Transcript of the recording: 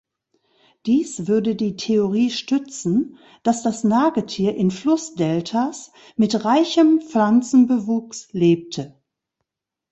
Dies würde die Theorie stützen, dass das Nagetier in Flussdeltas mit reichem Pflanzenbewuchs lebte.